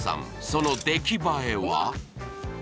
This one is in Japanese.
その出来栄えは？